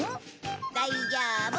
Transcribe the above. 大丈夫。